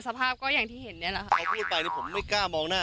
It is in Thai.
สภาพก็อย่างที่เห็นเนี่ยแหละค่ะ